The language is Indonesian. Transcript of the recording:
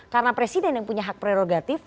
karena presiden yang punya hak prerogatif